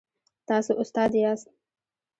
تاسو استاد یاست؟